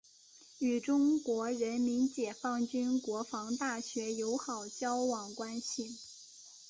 与中国人民解放军国防大学友好交往关系。